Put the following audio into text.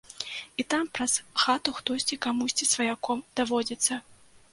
І там праз хату хтосьці камусьці сваяком даводзіцца.